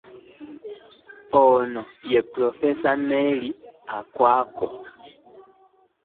Ono ye Ppulofeesa Mary Okwakol